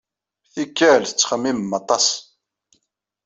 Tikkal, tettxemmimem aṭas.